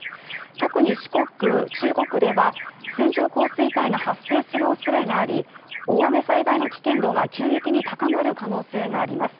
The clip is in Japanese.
特に四国、中国では線状降水帯が発生するおそれがあり、大雨災害の危険度が急激に高まる可能性があります。